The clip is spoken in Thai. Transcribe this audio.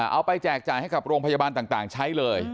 ไปแจกจ่ายให้กับโรงพยาบาลต่างใช้เลย